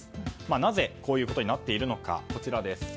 なぜこういうことになっているのか。